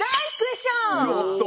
やった。